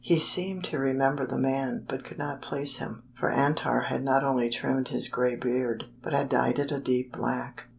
He seemed to remember the man, but could not place him, for Antar had not only trimmed his gray beard, but had dyed it a deep black.